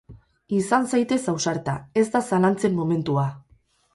Izan zaitez ausarta, ez da zalantzen momentua.